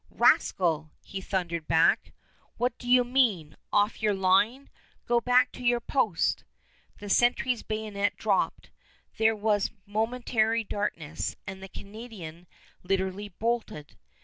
"Rascal," he thundered back, "what do you mean, off your line? Go back to your post!" The sentry's bayonet dropped; there was momentary darkness, and the Canadian literally bolted.